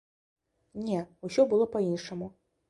Не, усё было па-іншаму.